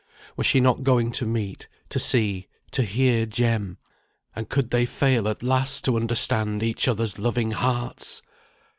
Was she not going to meet, to see, to hear Jem; and could they fail at last to understand each other's loving hearts!